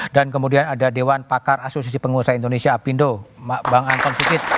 dan kemudian ada dewan pakar asosiasi penguasa indonesia apindo bang anton sukit